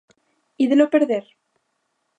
Ídelo perder?